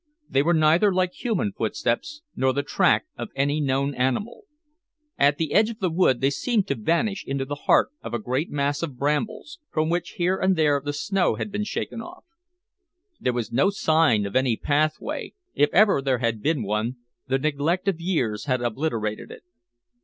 They were neither like human footsteps nor the track of any known animal. At the edge of the wood they seemed to vanish into the heart of a great mass of brambles, from which here and there the snow had been shaken off. There was no sign of any pathway; if ever there had been one, the neglect of years had obliterated it.